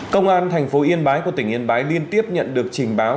công an thành phố yên bái của tỉnh yên bái liên tiếp nhận được trình báo